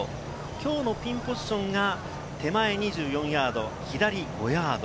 きょうのピンポジションが手前２４ヤード、左５ヤード。